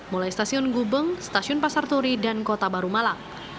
mulai stasiun gubeng stasiun pasar turi dan kota barumalang